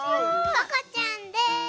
ここちゃんです！